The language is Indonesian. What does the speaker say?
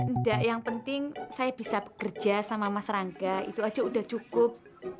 enggak yang penting saya bisa bekerja sama mas rangga itu aja udah cukup